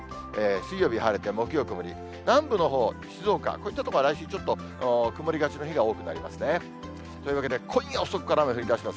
水曜日晴れて、木曜曇り、南部のほう、静岡、こういった所は来週ちょっと曇りがちの日が多くなりますね。というわけで、今夜遅くから雨降りだします。